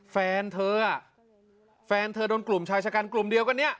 แฟนเธออ่ะแฟนเธอโดนกลุ่มชายชะกันกลุ่มเดียวกันเนี่ย